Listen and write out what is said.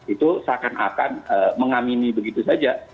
itu seakan akan mengamini begitu saja